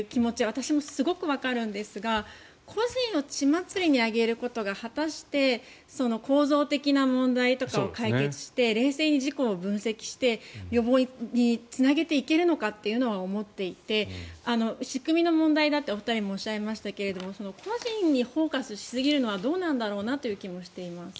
私もすごくわかるんですが個人を血祭りに上げることが果たして構造的な問題とかを解決して、冷静に事故を分析して予防につなげていけるのかというのは思っていて仕組みの問題だってお二人もおっしゃいましたけど個人にフォーカスしすぎるのはどうかなという気もしています。